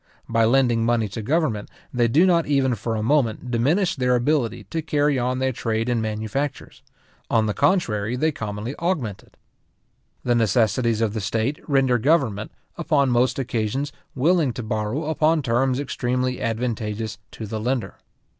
By lending money to government, they do not even for a moment diminish their ability to carry on their trade and manufactures; on the contrary, they commonly augment it. The necessities of the state render government, upon most occasions willing to borrow upon terms extremely advantageous to the lender.